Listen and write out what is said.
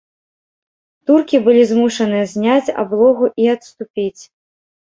Туркі былі змушаны зняць аблогу і адступіць.